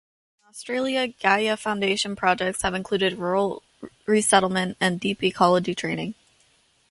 In Australia, "Gaia Foundation" projects have included rural resettlement and deep ecology training.